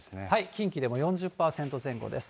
近畿でも４０％前後です。